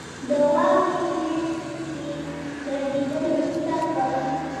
• د واورې مینځ کې ګرځېدل احتیاط غواړي.